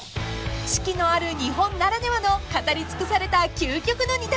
［四季のある日本ならではの語り尽くされた究極の二択］